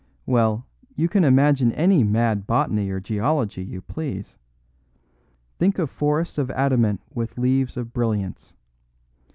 Well, you can imagine any mad botany or geology you please. Think of forests of adamant with leaves of brilliants.